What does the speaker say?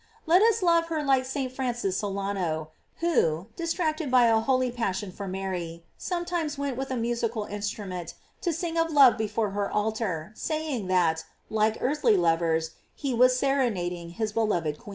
Let us love her like St. Francis Solano, who, distracted by a holy passion for Mary, sometimes went with a musical instrument to sing of love before her altar, saying that, like earthly lovers, he was serenading his beloved queen.